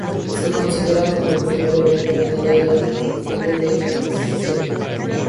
Se considera como el primer evento al aire libre en Hershey.